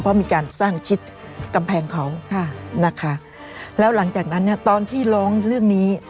เพราะมีการสร้างชิดกำแพงเขาค่ะนะคะแล้วหลังจากนั้นเนี่ยตอนที่ร้องเรื่องนี้